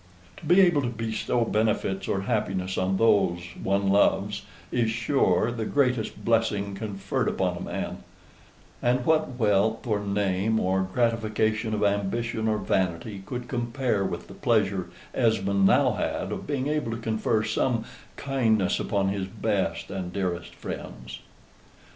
To be able to bestow benefits or happiness on those one loves is sure the greatest blessing conferred upon a man and what wealth or name, or gratification of ambition or vanity, could compare with the pleasure Esmond now had of being able to confer some kindness upon his best and dearest friends?